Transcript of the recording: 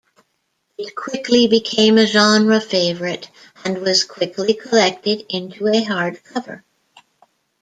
It quickly became a genre favorite, and was quickly collected into a hardcover.